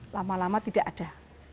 lama lama tidak ada